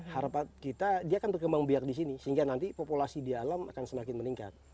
harapan kita dia akan berkembang biak di sini sehingga nanti populasi di alam akan semakin meningkat